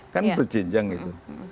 kan berjenjang itu